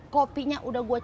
kopinya udah gue cek